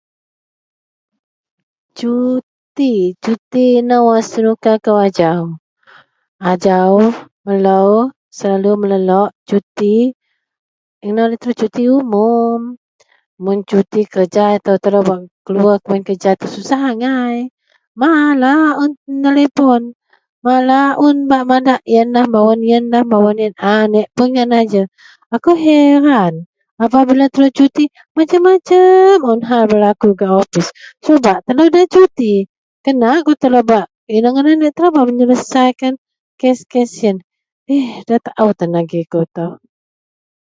cuuti, cuti inou wak senuka kou ajau, ajau melou selalu melelok cuti, inou laie telou cuti umum, mun cuti kerja itou telou bak keluar kuman kerja itou susah angai, malar un nelepon, malar un bak madak ienlah bawen ienlah, bawen ien, aneak pun ngak najer, akou hairan apabila telou cuti macam-macam un hal berlaku gak gak opis, cuba telou da cuti kena un telou bak inou ngadan telou bak meyelesaikan kes-kes ien eh datau tan agei kou itou